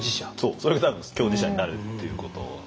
それが多分共事者になるっていうこと。